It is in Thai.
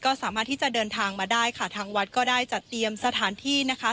ก็สามารถที่จะเดินทางมาได้ค่ะทางวัดก็ได้จัดเตรียมสถานที่นะคะ